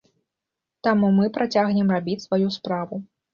Таму мы працягнем рабіць сваю справу.